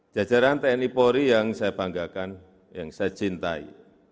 jajaran tni polri yang saya banggakan yang saya cintai